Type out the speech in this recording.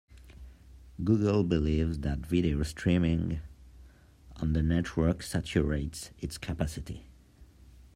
Google believes that video streaming on the network saturates its capacity.